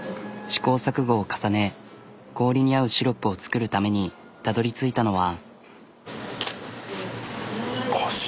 試行錯誤を重ね氷に合うシロップを作るためにたどり着いたのは。